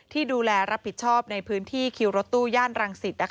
ที่ดูแลรับผิดชอบในพื้นที่คิวรถตู้ย่านรังสิต